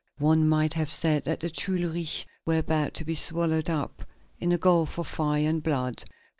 One might have said that the Tuileries were about to be swallowed up in a gulf of fire and blood.